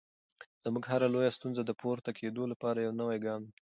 زموږ هره لویه ستونزه د پورته کېدو لپاره یو نوی ګام دی.